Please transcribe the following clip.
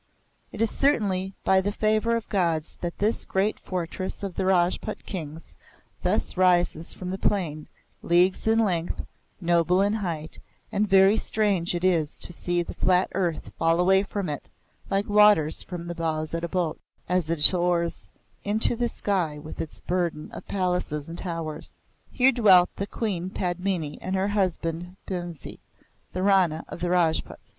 It is certainly by the favour of the Gods that this great fortress of the Rajput Kings thus rises from the plain, leagues in length, noble in height; and very strange it is to see the flat earth fall away from it like waters from the bows of a boat, as it soars into the sky with its burden of palaces and towers. Here dwelt the Queen Padmini and her husband Bhimsi, the Rana of the Rajputs.